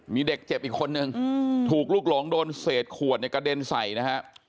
มีเด็กเจ็บอีกคนนึงถูกลูกหลงโดนเศษขวดเนี่ยกระเด็นใส่นะฮะ